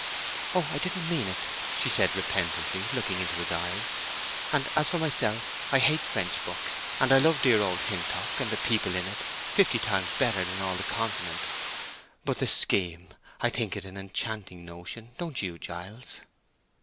"Oh, I didn't mean it!" she said, repentantly, looking into his eyes. "And as for myself, I hate French books. And I love dear old Hintock, and the people in it, fifty times better than all the Continent. But the scheme; I think it an enchanting notion, don't you, Giles?"